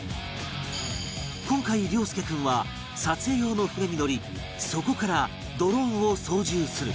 今回諒祐君は撮影用の船に乗りそこからドローンを操縦する